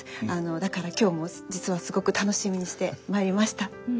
だから今日も実はすごく楽しみにして参りました。